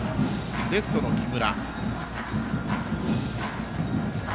レフトの木村。